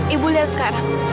ibu lihat sekarang